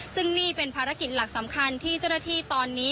ซึ่งนี่เป็นภารกิจหลักสำคัญที่เจ้าหน้าที่ตอนนี้